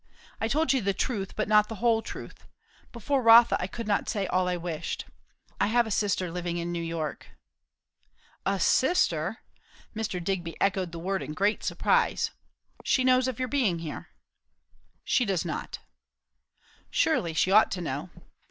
I told you the truth, but not the whole truth. Before Rotha I could not say all I wished. I have a sister living in New York." "A sister!" Mr. Digby echoed the word in great surprise. "She knows of your being here?" "She does not." "Surely she ought to know."